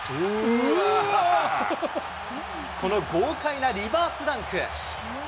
この豪快なリバースダンク。